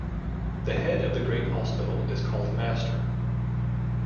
The Head of the Great Hospital is called 'Master'.